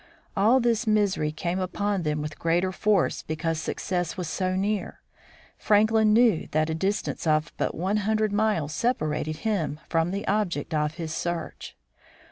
All this misery came upon them with greater force because success was so near. Franklin knew that a dis tance of but one hundred miles separated him from the object of his search.